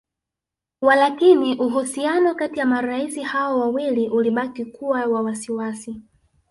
Walakini uhusiano kati ya marais hao wawili ulibaki kuwa wa wasiwasi